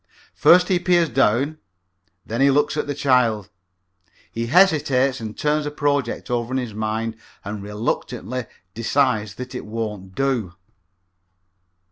First he peers down; then he looks at the child. He hesitates and turns a project over in his mind and reluctantly decides that it won't do.